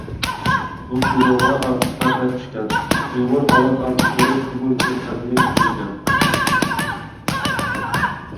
بۇ كىنوغا ئارتىسلار بەك چۈشكەن، ئۇيغۇر ئاۋاز ئارتىسلىرى تېخىمۇ يۇقىرى پەللىگە كۆتۈرگەن.